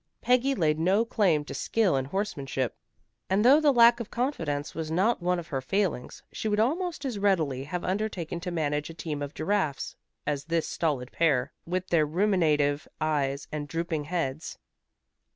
Peggy laid no claim to skill in horsemanship, and though lack of confidence was not one of her failings, she would almost as readily have undertaken to manage a team of giraffes, as this stolid pair, with their ruminative eyes, and drooping heads.